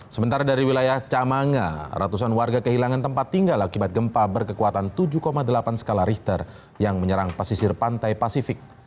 sementara dari wilayah camanga ratusan warga kehilangan tempat tinggal akibat gempa berkekuatan tujuh delapan skala richter yang menyerang pesisir pantai pasifik